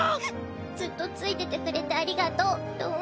ずっと付いててくれてありがとうロン。